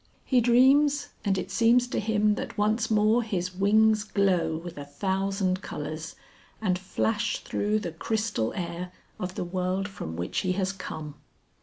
He dreams, and it seems to him that once more his wings glow with a thousand colours and flash through the crystal air of the world from which he has come.